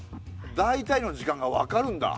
大体の時間が分かるんだ。